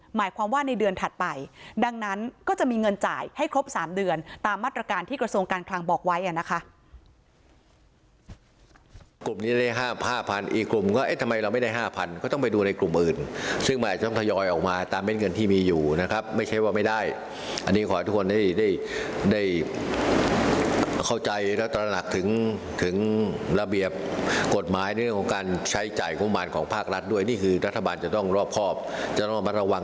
หมายความว่าในเดือนถัดไปดังนั้นก็จะมีเงินจ่ายให้ครบ๓เดือนตามมาตรการที่กระทรวงการคลังบอกไว้นะคะ